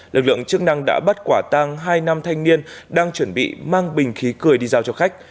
lực lượng chức năng đã bắt quả tang hai nam thanh niên đang chuẩn bị mang bình khí cười đi giao cho khách